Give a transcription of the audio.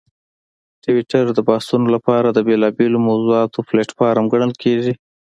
ټویټر د بحثونو لپاره د بېلابېلو موضوعاتو پلیټفارم ګڼل کېږي.